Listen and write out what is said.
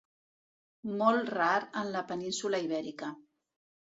Molt rar en la península Ibèrica.